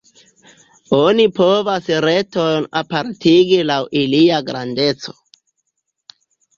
Oni povas retojn apartigi laŭ ilia grandeco.